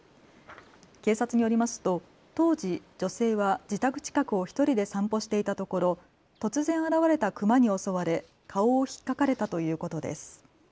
警察によりますと当時、女性は自宅近くを１人で散歩していたところ突然現れたクマに襲われ顔をひっかかれたということです。